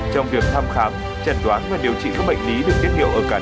trong việc thăm khám chẩn đoán và điều trị các bệnh lý được tiết điệu ở cảnh